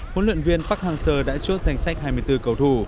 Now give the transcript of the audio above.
huấn luyện viên park hang seo đã chốt thành sách hai mươi bốn cầu thủ